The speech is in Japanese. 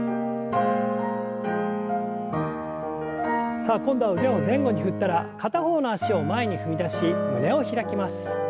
さあ今度は腕を前後に振ったら片方の脚を前に踏み出し胸を開きます。